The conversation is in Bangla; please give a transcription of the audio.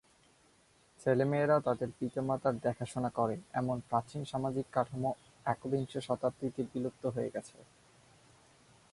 ছেলেমেয়েরা তাদের পিতামাতার দেখাশোনা করে এমন প্রাচীন সামাজিক কাঠামো একবিংশ শতাব্দীতে বিলুপ্ত হয়ে গেছে।